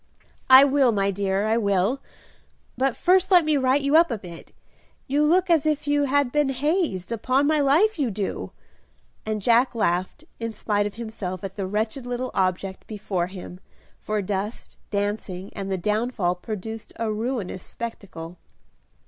"I will, my dear, I will; but first let me right you up a bit; you look as if you had been hazed, upon my life you do;" and Jack laughed in spite of himself at the wretched little object before him, for dust, dancing, and the downfall produced a ruinous spectacle.